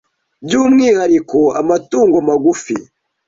by’umwihariko amatungo magufi,